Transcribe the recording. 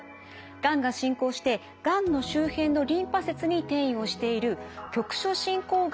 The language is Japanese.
がんが進行してがんの周辺のリンパ節に転移をしている局所進行がんの場合に行われます。